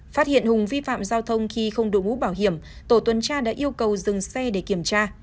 phát hiện hùng vi phạm giao thông khi không đội mũ bảo hiểm tổ tuần tra đã yêu cầu dừng xe để kiểm tra